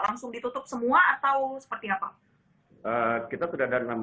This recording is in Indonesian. langsung ditutup semua atau seperti apa